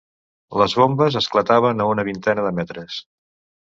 Les bombes esclataven a una vintena de metres